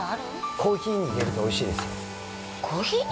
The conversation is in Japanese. コーヒーに入れるとおいしいですよコーヒーに？